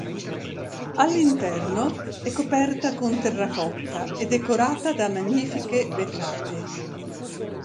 All'interno è coperta con terracotta e decorata da magnifiche vetrate.